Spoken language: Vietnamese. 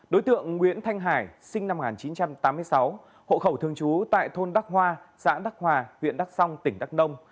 đối tượng nguyễn thanh hải sinh năm một nghìn chín trăm tám mươi sáu hộ khẩu thường trú tại thôn đắc hoa xã đắc hòa huyện đắk song tỉnh đắk nông